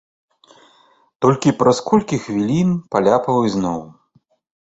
Толькі праз колькі хвілін паляпаў ізноў.